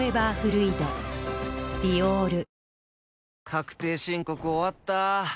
⁉確定申告終わった。